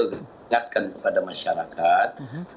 mengingatkan kepada masyarakat